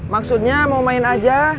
maksudnya mau main aja